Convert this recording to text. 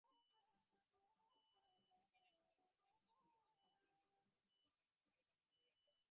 এখানে পওহারীজী নামক যে অদ্ভুত যোগী ও ভক্ত আছেন, এক্ষণে তাঁহারই কাছে রহিয়াছি।